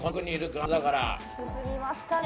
進みましたね